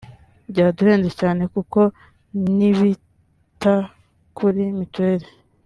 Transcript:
byaraduhenze cyane kuko ntibita kuri mituweli”